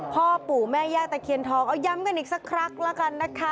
พ่อปู่แม่ย่าตะเคียนทองเอาย้ำกันอีกสักครั้งแล้วกันนะคะ